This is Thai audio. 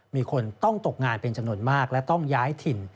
มีคนต้องตกงานเป็นจำนวนมากและต้องย้ายถิ่น